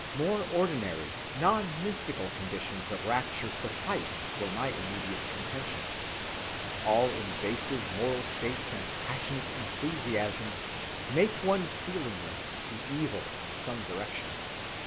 More ordinary non‐mystical conditions of rapture suffice for my immediate contention. All invasive moral states and passionate enthusiasms make one feelingless to evil in some direction.